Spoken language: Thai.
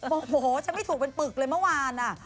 โอ้โหฉันไม่ถูกเป็นปึกเลยเมื่อวาน